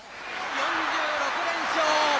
４６連勝。